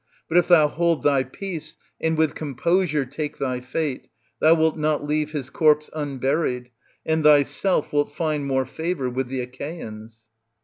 But if thou hold thy peace and with composure take thy fate, thou wilt not leave his corpse unburied, and thyself wilt find more favour with the Achseans.